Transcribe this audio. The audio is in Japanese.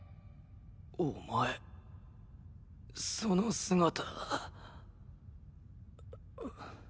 お前その姿。